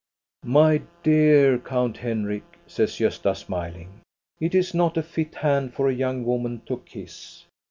" My dear Count Henrik," says Grosta, smiling, " it is not a fit hand for a young woman to kiss.